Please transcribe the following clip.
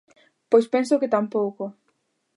Pois penso que tampouco.